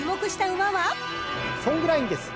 ソングラインです！